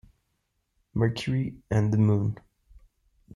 Mercury and the Moon.